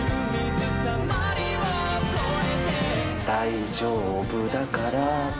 大丈夫だから。